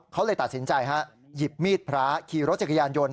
เขาเลยตัดสินใจฮะหยิบมีดพระขี่รถจักรยานยนต์